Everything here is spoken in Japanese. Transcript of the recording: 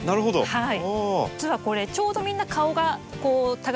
はい。